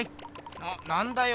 ななんだよ。